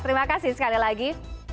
terima kasih sekali lagi